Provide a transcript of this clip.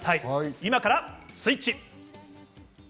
今からスイッチ！